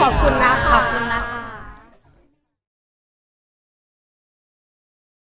โปรดติดตามตอนต่อไป